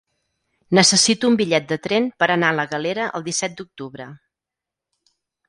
Necessito un bitllet de tren per anar a la Galera el disset d'octubre.